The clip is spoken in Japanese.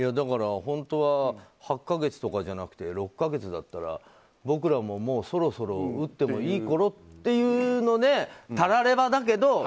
本当は８か月とかじゃなくて６か月だったら僕らもうそろそろ打ってもいいころっていうのでたらればだけど。